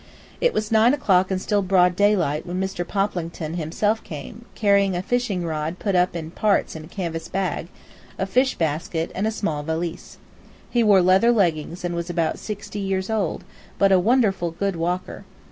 It was nine o'clock and still broad daylight when Mr. Poplington himself came, carrying a fishing rod put up in parts in a canvas bag, a fish basket, and a small valise. He wore leather leggings and was about sixty years old, but a wonderful good walker.